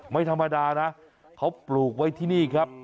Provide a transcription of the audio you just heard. ไม่ธรรมดานะเขาปลูกไว้ที่นี่ครับ